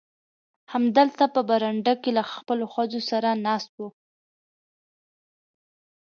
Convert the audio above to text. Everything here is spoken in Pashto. همدلته په برنډه کې له خپلو ښځو سره ناست و.